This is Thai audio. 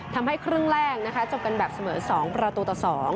ทำให้ครึ่งแรกนะคะจบกันแบบเสมอ๒ประตูต่อ๒